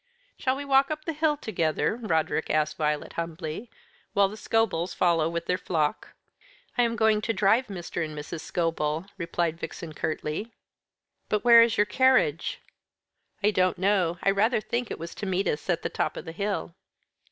"Shall we walk up the hill together?" Roderick asked Violet humbly, "while the Scobels follow with their flock?" "I am going to drive Mr. and Mrs. Scobel," replied Vixen curtly. "But where is your carriage?" "I don t know. I rather think it was to meet us at the top of the hill."